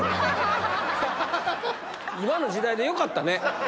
今の時代でよかったね。